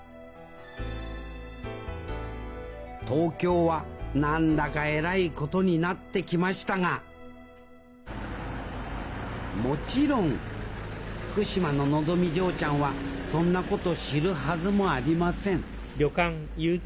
東京は何だかえらいことになってきましたがもちろん福島ののぞみ嬢ちゃんはそんなこと知るはずもありません